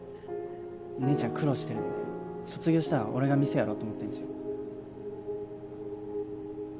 姉ちゃん苦労してるんで卒業したら俺が店やろうと思ってんすよ